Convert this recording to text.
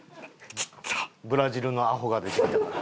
ブラジルのアホが出てきたから。